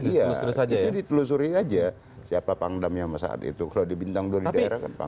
iya itu ditelusuri aja siapa pangdam yang saat itu kalau di bintang dua di daerah kan pangli